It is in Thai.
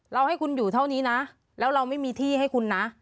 ให้คุณอยู่เท่านี้นะแล้วเราไม่มีที่ให้คุณนะ